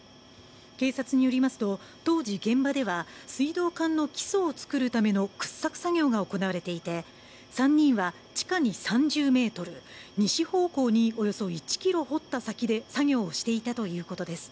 警察によりますと当時、現場では水道管の基礎を作るための掘削作業が行われていて３人は地下に３０ｍ、西方向におよそ１ｋｍ掘った先で作業をしていたということです。